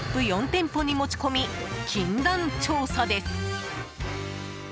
４店舗に持ち込み、禁断調査です。